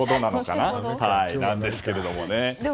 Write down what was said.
なんですけども。